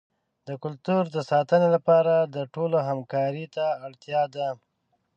د کلتور د ساتنې لپاره د ټولو همکارۍ ته اړتیا ده.